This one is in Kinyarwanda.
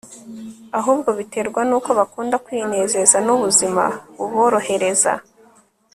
ahubwo biterwa nuko bakunda kwinezeza nubuzima buborohereza